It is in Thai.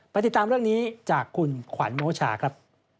ติดตามเรื่องนี้จากคุณขวัญโมชาครับ